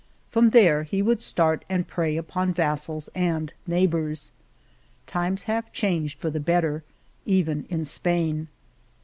From there he would start and prey upon vassals and neigh bors. Times have changed for the better, even in Spain.